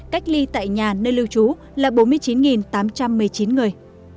cách ly tại nhà nơi lưu trú là bốn mươi chín tám trăm một mươi chín người